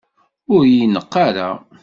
Ur yi-neqq ara!